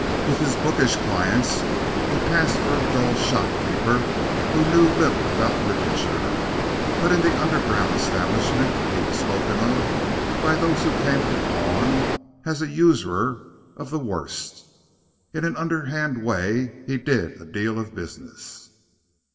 With his bookish clients he passed for a dull shopkeeper who knew little about literature; but in the underground establishment he was spoken of, by those who came to pawn, as a usurer of the worst. In an underhand way he did a deal of business.